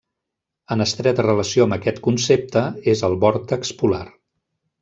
En estreta relació amb aquest concepte és el vòrtex polar.